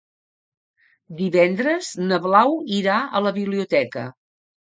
Divendres na Blau irà a la biblioteca.